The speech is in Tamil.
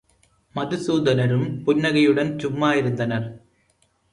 மதுசூதனரும் புன்னகையுடன் சும்மா இருந்தனர்.